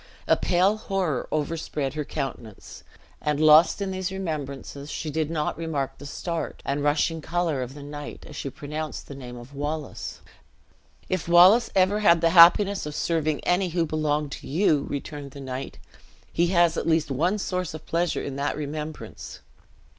A pale horror overspread her countenance; and lost in these remembrances, she did not remark the start, and rushing color of the knight, as she pronounced the name of Wallace. "If Wallace ever had the happiness of serving any who belonged to you," returned the knight, "he has at least one source of pleasure in that remembrance.